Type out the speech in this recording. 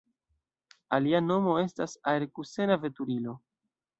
Alia nomo estas aer-kusena veturilo.